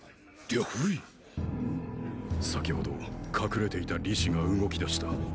先ほどかくれていた李斯が動きだした。